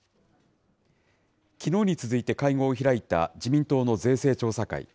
きのうに続いて会合を開いた、自民党の税制調査会。